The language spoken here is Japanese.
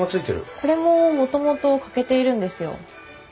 これももともと欠けているんですよ。